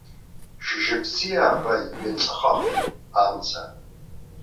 Шьыжьбзиа ҳәа иҩаҵыхахеит амза.